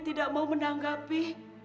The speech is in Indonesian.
tidak mau menanggapi